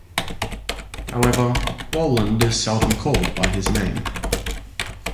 However, Woland is seldom called by his name.